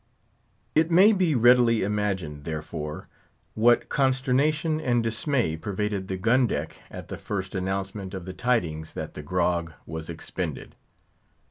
It may be readily imagined, therefore, what consternation and dismay pervaded the gun deck at the first announcement of the tidings that the grog was expended.